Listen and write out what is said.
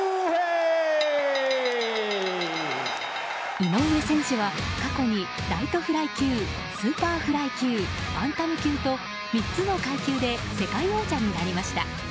井上選手は過去にライトフライ級スーパーフライ級バンタム級と３つの階級で世界王者になりました。